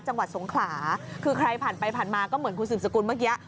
จังหวัดสงขลาคือใครผ่านไปผ่านมาก็เหมือนคุณสืบสกุลเมื่อกี้